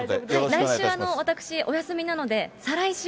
来週、私、お休みなので、再来週。